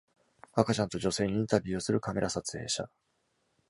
赤ちゃんと女性にインタビューをするカメラ撮影者